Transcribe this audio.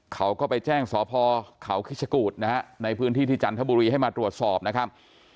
เขาก็ไปแจ้งสพเขาคิชกูธนะฮะในพื้นที่ที่จันทบุรีให้มาตรวจสอบนะครับ